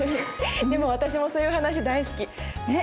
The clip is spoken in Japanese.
でも私もそういう話大好き。ね。